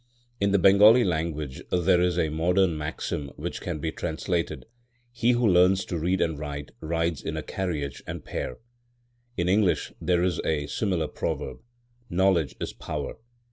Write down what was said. In the Bengali language there is a modern maxim which can be translated, "He who learns to read and write rides in a carriage and pair." In English there is a similar proverb, "Knowledge is power."